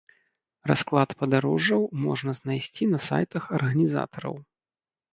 Расклад падарожжаў можна знайсці на сайтах арганізатараў.